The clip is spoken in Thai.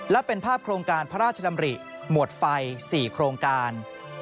และเป็นภาพโครงการพระราชดำริหมวดไฟ๔โครงการ